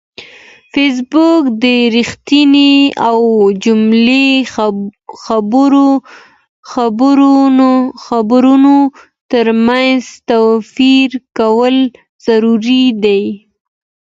فېسبوک د رښتینې او جعلي خبرونو ترمنځ توپیر کول ضروري دي